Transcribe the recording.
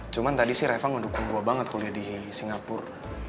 cuman tadi sih reva ngedukung gue banget kuliah di singapur